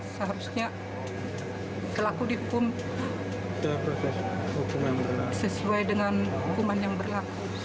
seharusnya pelaku dihukum sesuai dengan hukuman yang berlaku